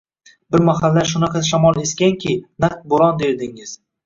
Bir mahallar shunaqa shamol esganki, naq bo‘ron derdingiz